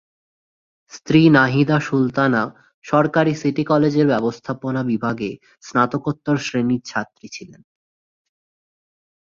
স্ত্রী নাহিদা সুলতানা সরকারি সিটি কলেজের ব্যবস্থাপনা বিভাগে স্নাতকোত্তর শ্রেণির ছাত্রী ছিলেন।